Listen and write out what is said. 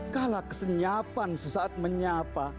kala kesenyapan sesaat menyapa